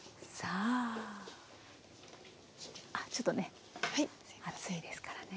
あっちょっとね熱いですからね。